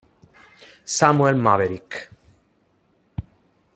Samuel Maverick